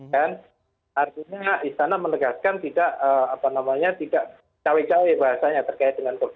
dan artinya istana menegaskan tidak apa namanya tidak cawe cawe bahasanya terkait dengan